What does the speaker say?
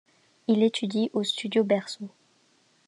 Il étudie au studio Berçot.